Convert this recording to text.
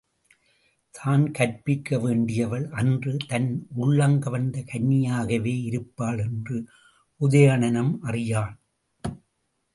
தான் கற்பிக்க வேண்டியவள், அன்று தன் உள்ளங்கவர்ந்த கன்னியாகவே இருப்பாள் என்று உதயணனும் அறியான்.